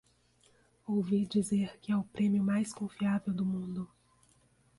Ouvi dizer que é o prêmio mais confiável do mundo.